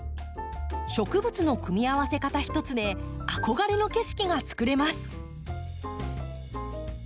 植物の組み合わせ方一つで憧れの景色がつくれます。